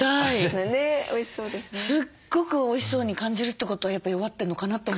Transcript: すっごくおいしそうに感じるってことはやっぱ弱ってんのかなと思いました。